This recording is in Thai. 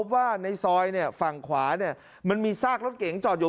ว่าในซอยฝั่งขวามันมีซากรถเก๋งจอดอยู่